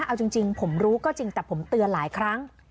เอาจริงผมรู้ก็จริงแต่ผมเตือนหลายครั้ง